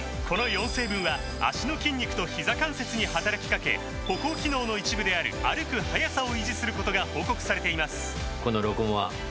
この４成分は脚の筋肉とひざ関節に働きかけ歩行機能の一部である歩く速さを維持することが報告されています